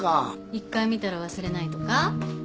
１回見たら忘れないとか？